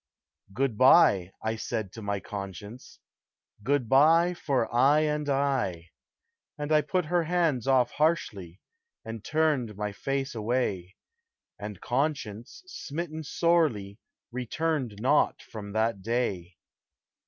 "Good bye," I said to my Conscience "Good bye for aye and aye;" And I put her hands off harshly, And turned my face away: And Conscience, smitten sorely, Returned not from that day.